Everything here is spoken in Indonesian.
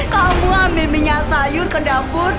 kamu ambil minyak sayur ke dapur